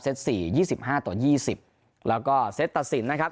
เซ็ตสี่ยี่สิบห้าต่อยี่สิบแล้วก็เซ็ตตัดสินนะครับ